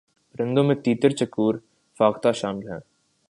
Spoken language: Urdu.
پرندوں میں تیتر چکور فاختہ شامل ہیں